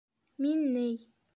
Мин ни...